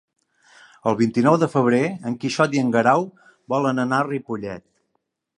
El vint-i-nou de febrer en Quixot i en Guerau volen anar a Ripollet.